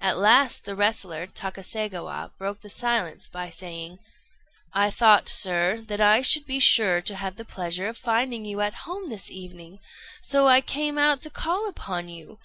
At last the wrestler, Takaségawa, broke the silence by saying "I thought, sir, that I should be sure to have the pleasure of finding you at home this evening, so I came out to call upon you.